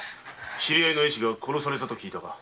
知り合いの絵師が殺されたと聞いたが。